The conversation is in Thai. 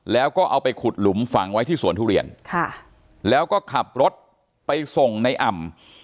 แล้วก็เอาไปขุดหลุมฝังไว้ที่สวนทุเรียนแล้วก็ขับรถไปส่งในอ่ำ